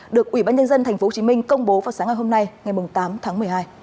được ủy ban nhân dân tp hcm công bố vào sáng ngày hôm nay ngày tám tháng một mươi hai